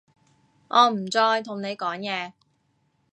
我唔再同你講嘢